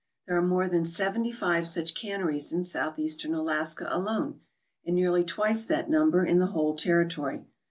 There are more than seventy five such canneries in Southeastern Alaska alone and nearly twice that number in the whole 'territory.